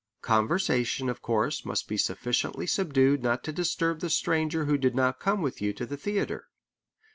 Conversation, of course, must be sufficiently subdued not to disturb the stranger who did not come with you to the theatre.